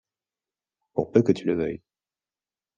Pour peu que tu le veuilles